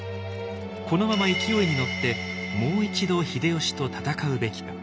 このまま勢いに乗ってもう一度秀吉と戦うべきか。